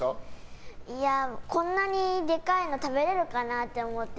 こんなにでかいの食べられるかなと思って。